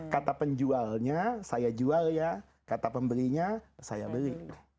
kata penjualnya saya jual ya kata pembelinya saya beli